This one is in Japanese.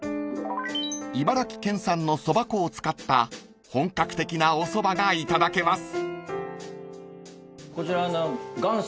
［茨城県産のそば粉を使った本格的なおそばがいただけます］